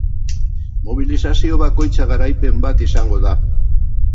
Mobilizazio bakoitza garaipen bat izango da.